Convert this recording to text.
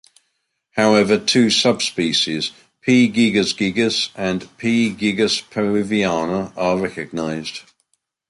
However two subspecies "P. gigas gigas" and "P. gigas peruviana" are recognised.